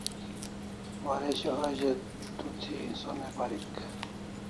Waresho a ze to thi sonai parik